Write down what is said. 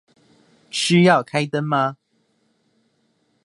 需要開燈嗎